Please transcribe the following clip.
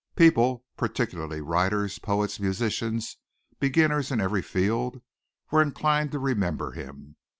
People, particularly writers, poets, musicians beginners in every field, were inclined to remember him.